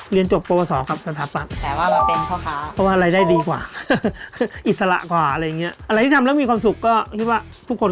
เรียนจบประวัติศาสตร์ครับสถาปัน